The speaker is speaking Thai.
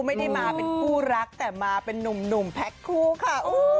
ไม่ได้มาเป็นคู่รักแต่มาเป็นนุ่มแพ็คคู่ค่ะ